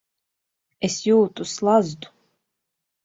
Es jūtu slazdu.